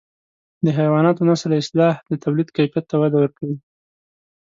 د حیواناتو نسل اصلاح د توليد کیفیت ته وده ورکوي.